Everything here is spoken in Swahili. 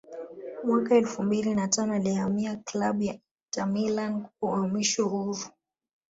Mwaka elfu mbili na tano alihamia klabu ya Inter Milan kwa uhamisho huru